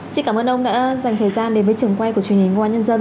xin cảm ơn ông đã dành thời gian đến với trường quay của truyền hình ngoan nhân dân